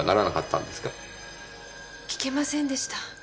訊けませんでした。